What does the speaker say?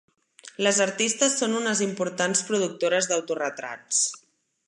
Les artistes són unes importants productores d'autoretrats.